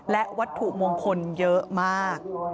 และวัตถุมงคลเยอะมาก